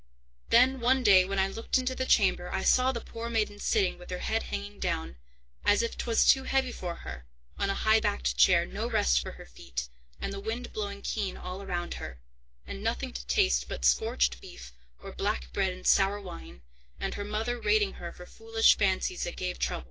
Then one day, when I looked into the chamber, I saw the poor maiden sitting, with her head hanging down, as if 'twas too heavy for her, on a high backed chair, no rest for her feet, and the wind blowing keen all round her, and nothing to taste but scorched beef, or black bread and sour wine, and her mother rating her for foolish fancies that gave trouble.